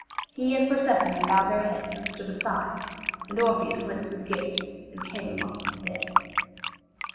He and Persephone bowed their heads and stood aside, and Orpheus went through the gate and came amongst the dead.